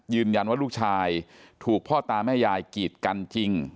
ยืนยันว่าลูกชายถูกพ่อตาแม่ยายกีดกันจริง